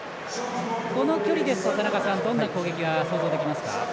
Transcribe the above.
この距離ですと、田中さんどんな攻撃が想像できますか？